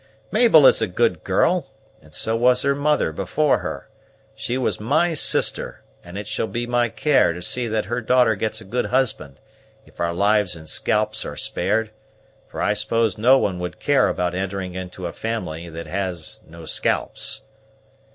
Mabel is a good girl, and so was her mother before her; she was my sister, and it shall be my care to see that her daughter gets a good husband, if our lives and scalps are spared; for I suppose no one would care about entering into a family that has no scalps."